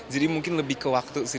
jadi mungkin lebih ke waktu sih